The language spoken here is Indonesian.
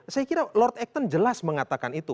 saya kira lord acton jelas mengatakan itu